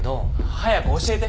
早く教えて。